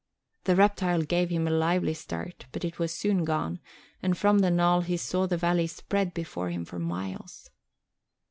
The reptile gave him a lively start, but it was soon gone, and from the knoll he saw the valley spread before him for miles.